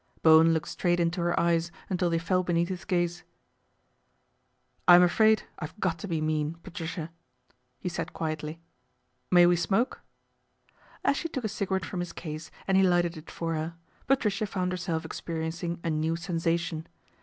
Bowen looked straight into her eyes until they fell beneath his gaze. " I'm afraid I've got to be mean, Patricia," he said quietly. " May we smoke ?" As she took a cigarette from his case and he lighted it for her, Patricia found herself experi encing a new sensation.